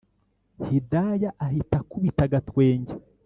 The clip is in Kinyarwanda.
hidaya ahita akubita agatwenge